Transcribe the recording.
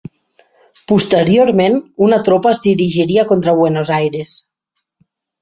Posteriorment una tropa es dirigiria contra Buenos Aires.